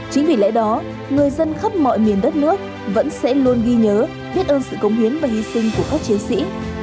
chính vì lẽ đó người dân khắp mọi miền đất nước vẫn sẽ luôn ghi nhớ biết ơn sự cống hiến và hy sinh của các chiến sĩ